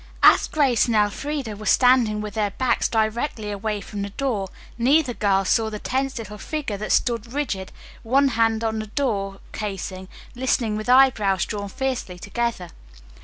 As Grace and Elfreda were standing with their backs directly away from the door neither girl saw the tense little figure that stood rigid, one hand on the door casing, listening with eyebrows drawn fiercely together.